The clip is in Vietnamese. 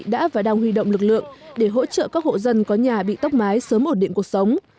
đã và đang huy động lực lượng để hỗ trợ các hộ dân có nhà bị tốc mái sớm ổn định cuộc sống